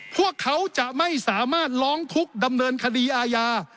พวกเขาจะไม่สามารถร้องทุกข์ดำเนินคดีอาญา